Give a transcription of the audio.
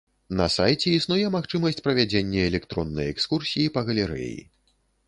На сайце існуе магчымасць правядзення электроннай экскурсіі па галерэі.